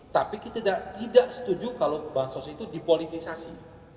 tapi kita tidak setuju kalau bansos itu dipolitisasi